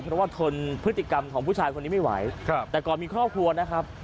เพราะว่าทนพฤติกรรมของผู้ชายคนนี้ไม่ไหวครับแต่ก่อนมีครอบครัวนะครับ